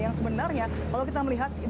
yang sebenarnya kalau kita melihat